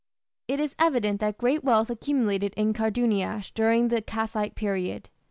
It is evident that great wealth accumulated in Karduniash during the Kassite period.